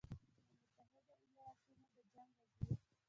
د متحدو ایالتونو د جنګ وزیر